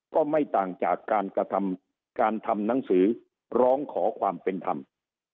ก็ไม่ต่างจากการกระทำการทำหนังสือร้องขอความเป็นธรรม